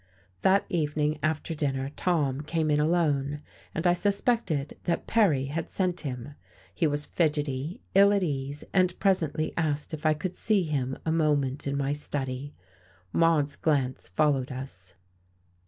That evening after dinner Tom came in alone, and I suspected that Perry had sent him. He was fidgety, ill at ease, and presently asked if I could see him a moment in my study. Maude's glance followed us.